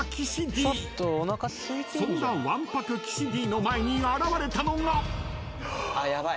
［そんな腕白岸Ｄの前に現れたのが］